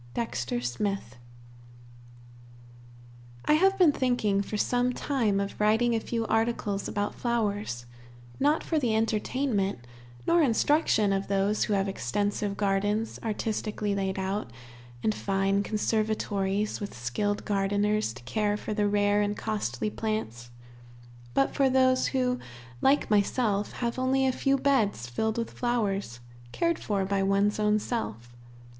Dexter Smith. I have been thinking for some time of writing a few articles about flowers, not for the entertainment nor instruction of those who have extensive gardens artistically laid out, and fine conservatories with skilled gardeners to care for the rare and costly plants, but for those, who, like myself, have only a few beds filled with flowers, cared for by one's own self.